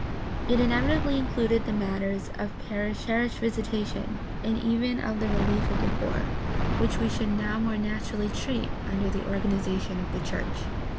It inevitably included the matters of parish visitation, and even of the relief of the poor, which we should PRACTICAL THEOLOGY 6ii now more naturally treat under the organization of the church.